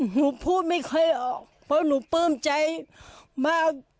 หนูพูดไม่ค่อยออกเพราะหนูปลื้มใจมาก